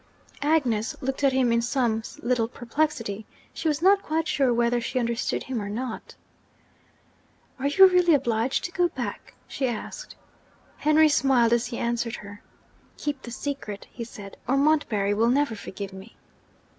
Agnes looked at him in some little perplexity: she was not quite sure whether she understood him or not. 'Are you really obliged to go back?' she asked. Henry smiled as he answered her. 'Keep the secret,' he said, 'or Montbarry will never forgive me!'